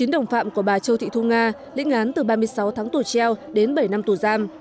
chín đồng phạm của bà châu thị thu nga lĩnh án từ ba mươi sáu tháng tù treo đến bảy năm tù giam